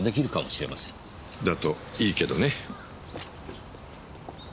だといいけどね。